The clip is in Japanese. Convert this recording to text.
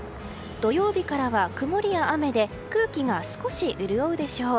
土曜日からは曇りや雨で空気が少し潤うでしょう。